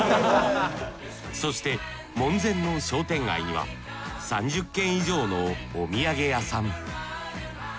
そして門前の商店街には３０軒以上のお土産屋さん。